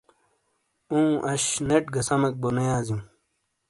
اوں، اش نیٹ گہ سمیک بو نے یازیوں۔